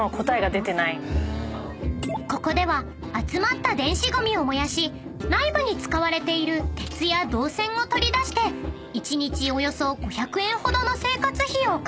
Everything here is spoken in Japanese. ［ここでは集まった電子ゴミを燃やし内部に使われている鉄や導線を取り出して一日およそ５００円ほどの生活費を稼いでいます］